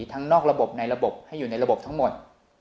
นอกระบบในระบบให้อยู่ในระบบทั้งหมด